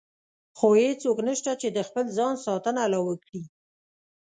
خو هېڅوک نشته چې د خپل ځان ساتنه لا وکړي.